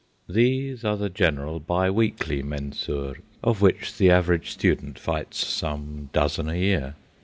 These are the general bi weekly Mensurs, of which the average student fights some dozen a year.